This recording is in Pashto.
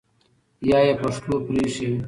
یا ئی پښتو پرېښې وي